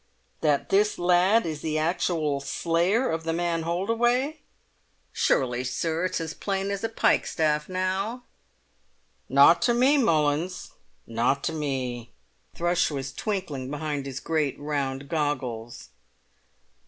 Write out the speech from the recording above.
"That this lad is the actual slayer of the man Holdaway?" "Surely, sir, it's as plain as a pikestaff now?" "Not to me, Mullins—not to me." Thrush was twinkling behind his great round goggles.